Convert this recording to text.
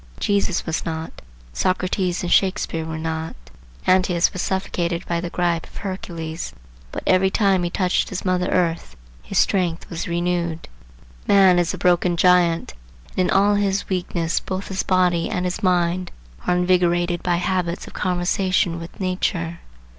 Jesus was not; Socrates and Shakspeare were not. Antaeus was suffocated by the gripe of Hercules, but every time he touched his mother earth his strength was renewed. Man is the broken giant, and in all his weakness both his body and his mind are invigorated by habits of conversation with nature.